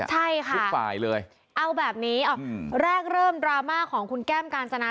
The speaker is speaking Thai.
ใช่ค่ะทุกฝ่ายเลยเอาแบบนี้แรกเริ่มดราม่าของคุณแก้มกาญจนา